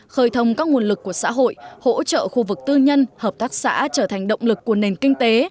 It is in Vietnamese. khởi thông các nguồn lực của xã hội hỗ trợ khu vực tư nhân hợp tác xã trở thành động lực của nền kinh tế